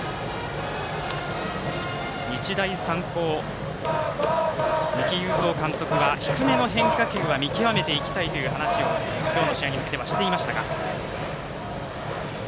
日大三高、三木有造監督は低めの変化球は見極めていきたいという話を今日の試合に向けてしていました。